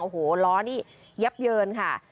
โอ้โหล้อนี่ยับเยินค่ะ